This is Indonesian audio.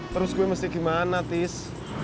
terus gue mesti gimana tis